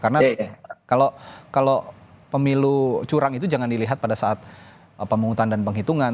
karena kalau pemilu curang itu jangan dilihat pada saat pemungutan dan penghitungan